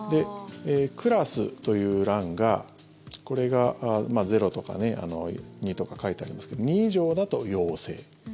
クラスという欄がこれが０とか２とか書いてありますけども２以上だと陽性。